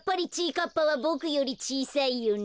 かっぱはボクよりちいさいよね。